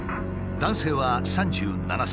男性は３７歳。